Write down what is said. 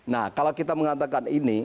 nah kalau kita mengatakan ini